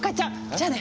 じゃあね！